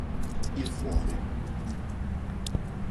Il Fuori!